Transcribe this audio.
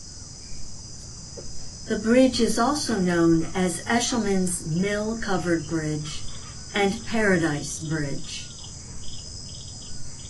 The bridge is also known as Eshelman's Mill Covered Bridge and Paradise Bridge.